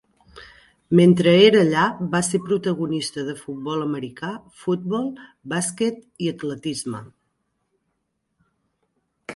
Mentre era allà, va ser protagonista de futbol americà, futbol, bàsquet i atletisme.